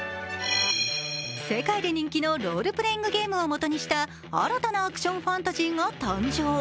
世界で人気のロールプレイングゲームを基にした新たなアクションファンタジーが誕生。